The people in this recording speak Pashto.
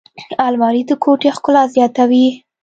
الماري د کوټې ښکلا زیاتوي